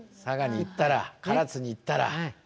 佐賀に行ったら唐津に行ったら。